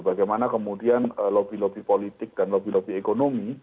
bagaimana kemudian lobby lobby politik dan lobby lobby ekonomi